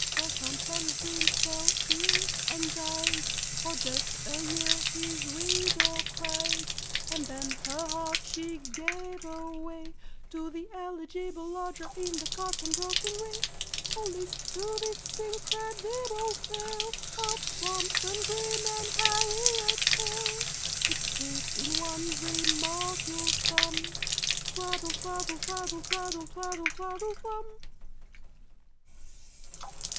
Well, THOMSON GREEN fell ill and died; For just a year his widow cried, And then her heart she gave away To the eligible lodger in the cotton broking way. Oh, list to this incredible tale Of THOMSON GREEN and HARRIET HALE, Its truth in one remark you'll sum— "Twaddle twaddle twaddle twaddle twaddle twaddle twum!"